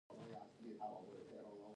شیرینو ورته وویل چې ته ولې ځې.